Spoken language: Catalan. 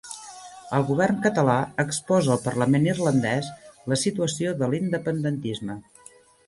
El govern català exposa al parlament irlandès la situació de l'independentisme